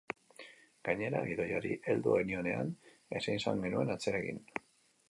Gainera, gidoiari heldu genionean, ezin izan genuen atzera egin.